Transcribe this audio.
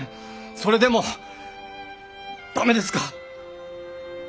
それでも駄目ですか？